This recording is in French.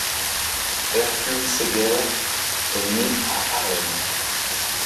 Hercules Seghers est né à Haarlem.